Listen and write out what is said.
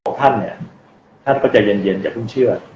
เค้าบอกท่านเนี่ยท่านนะคะสูญเย็นอย่าเพิ่งเชื่อ